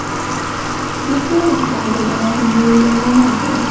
روغتیا دخدای ج له لوری یو نعمت دی